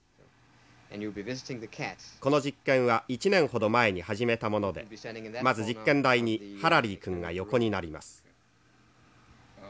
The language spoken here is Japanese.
「この実験は１年ほど前に始めたものでまず実験台にハラリー君が横になります」。